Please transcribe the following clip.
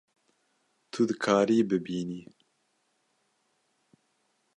Tu dikarî bibînî